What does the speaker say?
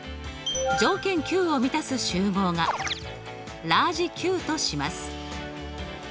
条件ｑを満たす集合がラージＱとします。